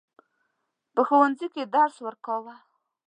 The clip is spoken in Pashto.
په ښوونځي کې درس ورکاوه.